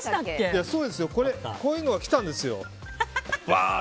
こういうのが来たんですよ。